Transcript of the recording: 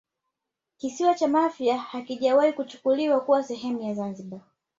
Kisiwa cha Mafia hakijawahi kuchukuliwa kuwa sehemu ya Zanzibar